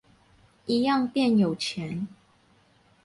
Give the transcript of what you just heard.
一樣變有錢